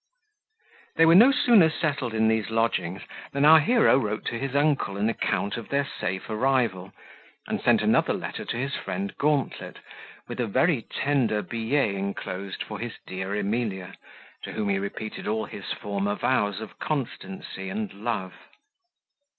They were no sooner settled in these lodgings, than our hero wrote to his uncle an account of their safe arrival, and sent another letter to his friend Gauntlet, with a very tender billet inclosed for his dear Emilia, to whom he repeated all his former vows of constancy and love.